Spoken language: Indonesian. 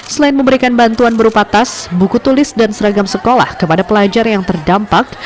selain memberikan bantuan berupa tas buku tulis dan seragam sekolah kepada pelajar yang terdampak